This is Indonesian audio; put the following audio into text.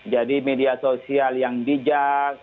jadi media sosial yang bijak